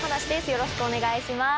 よろしくお願いします。